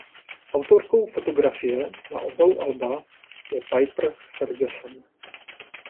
Autorkou fotografie na obalu alba je Piper Ferguson.